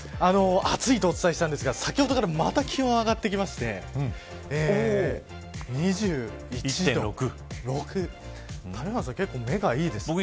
今日は、先ほども暑いとお伝えしたんですが先ほどからまた気温が上がってきて２１．６度谷原さん、目がいいですね。